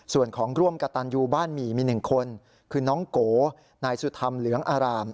ส่วนของร่วมกระตันยูบ้านหมี่มี๑คนคือน้องโกนายสุธรรมเหลืองอาราม